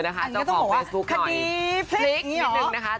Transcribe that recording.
อันนี้ต้องบอกว่าคดีพลิกอย่างนี้หรอ